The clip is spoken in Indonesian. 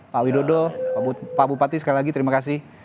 pak widodo pak bupati sekali lagi terima kasih